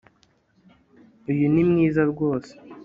Uyu ni mwiza rwose